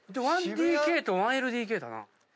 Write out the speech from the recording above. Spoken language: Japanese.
１ＤＫと１ＬＤＫだな。